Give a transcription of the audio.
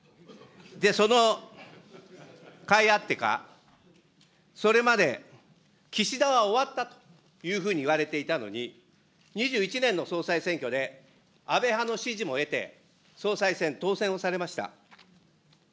そのかいあってか、それまで岸田は終わったというふうにいわれていたのに、２１年の総裁選挙で、安倍派の支持も得て、総裁選、当選をされました。